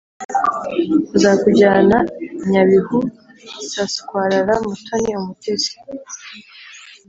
nzakujyana i nyabihu saswarara mutoni umutesi